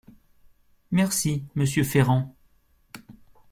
Merci, monsieur Ferrand.